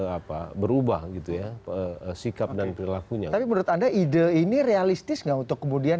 apa berubah gitu ya sikap dan perilakunya tapi menurut anda ide ini realistis nggak untuk kemudian